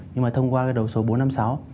nhưng mà thông qua cái đầu số bốn trăm năm mươi sáu